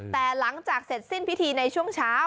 แต่หลังจากเสร็จสิ้นพิธีในช่วงเช้า